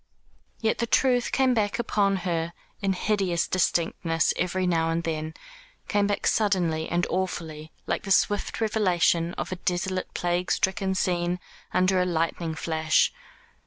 Yet the truth came back upon her in hideous distinctness every now and then came back suddenly and awfully, like the swift revelation of a desolate plague stricken scene under a lightning flash.